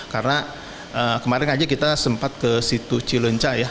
karena kemarin aja kita sempat ke situ cilunca ya